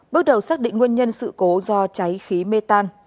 bước đầu xác định nguyên nhân sự cố do cháy khí mê tan